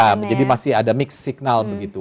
ya jadi masih ada mix signal begitu